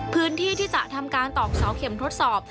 เพื่อที่จะทำการตอกเสาเข็มทดสอบ